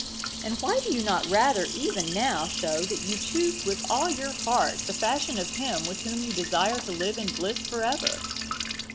and why do you not rather even now show that you choose with all your heart the fashion of him with whom you desire to live in bliss for ever.